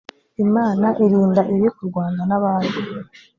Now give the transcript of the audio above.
imana irinda ibi ku rwanda n ‘abarwo.